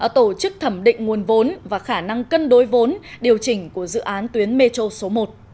tổ chức thẩm định nguồn vốn và khả năng cân đối vốn điều chỉnh của dự án tuyến metro số một